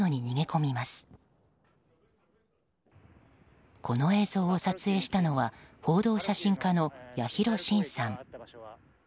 この映像を撮影したのは報道写真家の八尋伸さん。